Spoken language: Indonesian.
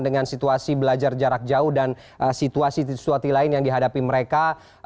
dengan situasi belajar jarak jauh dan situasi situasi lain yang dihadapi mereka